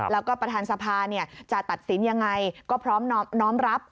แล้วก็ประธานสภาจะตัดสินยังไงก็พร้อมน้อมรับ